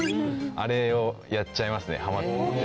あれをやっちゃいますねハマってて。